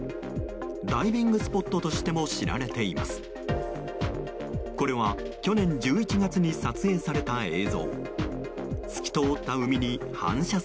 ダイビングスポットとしても知られています。